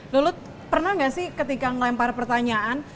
lulut pernah nggak sih ketika ngelempar pertanyaan